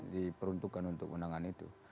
diperuntukkan untuk menangani itu